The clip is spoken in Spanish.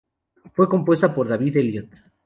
Fue compuesta por David Elliott.